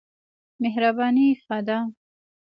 مهرباني ښه ده.